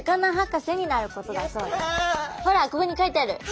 ほらここに書いてある。